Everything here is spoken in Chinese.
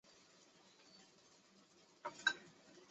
大部分瑞典人多信奉基督新教路德宗。